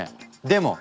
でも！